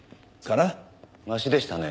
マシでしたね。